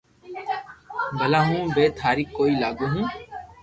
بلا ھون بي ٿاري ڪوئي لاگو ھون